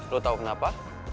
lo tau kenapa